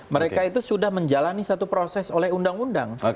mereka itu sudah menjalani satu proses oleh undang undang